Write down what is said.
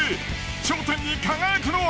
頂点に輝くのは？